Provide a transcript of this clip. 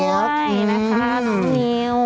โอเคนะคะน้องนิว